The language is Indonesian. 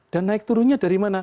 dan naik turunnya dari mana